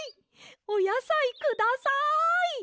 おやさいください！